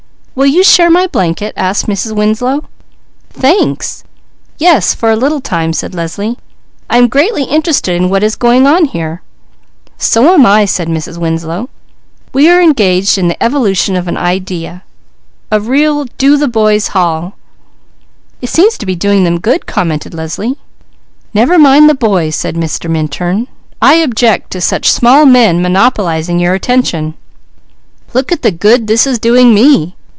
"Will you share my blanket?" asked Mrs. Winslow. "Thanks! Yes, for a little time," said Leslie. "I am greatly interested in what is going on here." "So am I," said Mrs. Winslow. "We are engaged in the evolution of an idea. A real 'Do the boy's hall.'" "It seems to be doing them good," commented Leslie. "Never mind the boys," said Mr. Minturn. "I object to such small men monopolizing your attention. Look at the 'good' this is doing me.